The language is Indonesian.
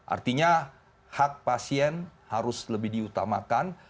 artinya hak pasien harus lebih diutamakan